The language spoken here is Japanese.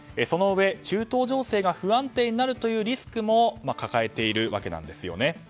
そのうえ中東情勢が不安定になるというリスクも抱えているわけなんですよね。